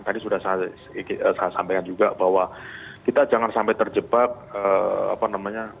tadi sudah saya sampaikan juga bahwa kita jangan sampai terjebak apa namanya